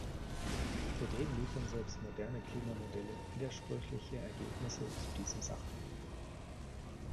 Zudem liefern selbst moderne Klimamodelle widersprüchliche Ergebnisse zu diesem Sachverhalt.